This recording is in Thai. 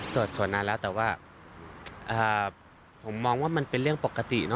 สวดนานแล้วแต่ว่าผมมองว่ามันเป็นเรื่องปกตินะ